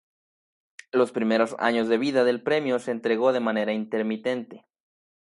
Los primeros años de vida del premio se entregó de manera intermitente.